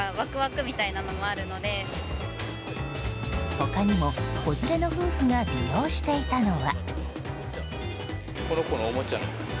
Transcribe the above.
他にも、子連れの夫婦が利用していたのは。